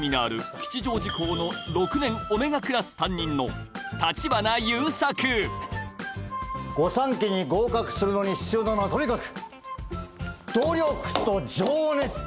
吉祥寺校の６年Ωクラス担任のご三家に合格するのに必要なのはとにかく努力と情熱！